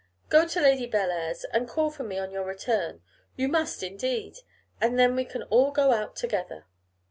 Go to Lady Bellair's, and call for me on your return. You must, indeed; and then we can all go out together.